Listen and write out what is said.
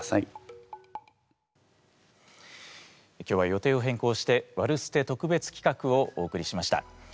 今日は予定を変更して「ワルステ」特別企画をお送りしました。